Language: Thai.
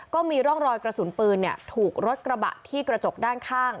ก็มีร่องรอยกระสุนปืนถูกรถกระบะที่กระจกด้านข้าง